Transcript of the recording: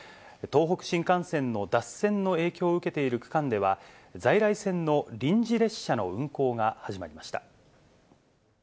東北新幹線の脱線の影響を受けている区間では、在来線の臨時列車の運行が始まりました。